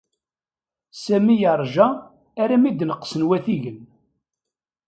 Sami yeṛja armi d-neqsen watigen.